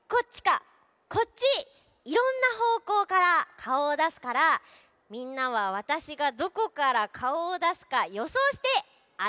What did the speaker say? いろんなほうこうからかおをだすからみんなはわたしがどこからかおをだすかよそうしてあててね。